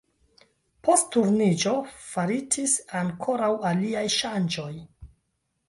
Post Turniĝo faritis ankoraŭ aliaj ŝanĝoj.